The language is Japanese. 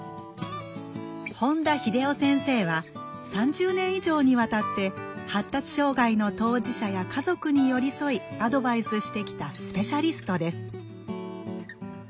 本田秀夫先生は３０年以上にわたって発達障害の当事者や家族に寄り添いアドバイスしてきたスペシャリストです